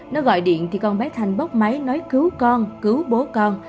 nó gọi điện thì con bé thanh bóc máy nói cứu con cứu bố con